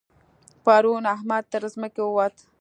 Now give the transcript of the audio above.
پرون احمد تر ځمکې ووت.